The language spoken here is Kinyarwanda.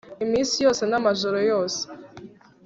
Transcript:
Iminsi yose namajoro yose